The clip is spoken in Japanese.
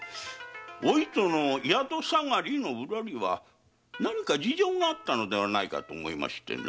お糸の宿下がりの裏には何か事情があったのではないかと思いましてな。